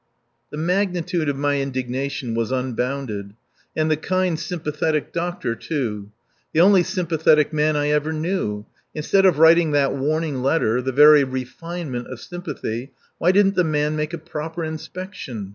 The magnitude of my indignation was unbounded. And the kind, sympathetic doctor, too. The only sympathetic man I ever knew ... instead of writing that warning letter, the very refinement of sympathy, why didn't the man make a proper inspection?